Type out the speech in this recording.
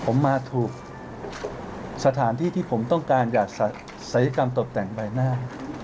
ผมมาถูกสถานที่ที่ผมต้องการอยากศัลยกรรมตกแต่งใบหน้า